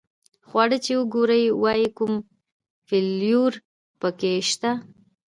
خواړه چې وګوري وایي کوم فلېور په کې شته.